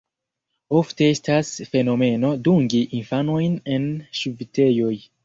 Ofte estas fenomeno dungi infanojn en ŝvitejoj.